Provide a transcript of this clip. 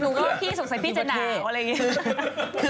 พี่สงสัยพี่จะหนาวอะไรอย่างนี้